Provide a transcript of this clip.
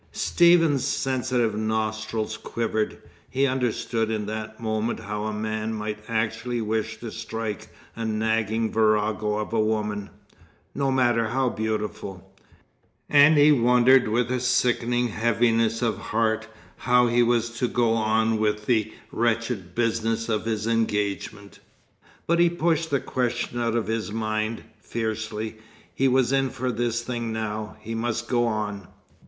Stephen's sensitive nostrils quivered. He understood in that moment how a man might actually wish to strike a nagging virago of a woman, no matter how beautiful. And he wondered with a sickening heaviness of heart how he was to go on with the wretched business of his engagement. But he pushed the question out of his mind, fiercely. He was in for this thing now. He must go on.